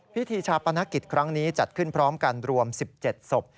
พิธีชาปนกิจครั้งนี้จัดขึ้นพร้อมกันรวม๑๗ศพ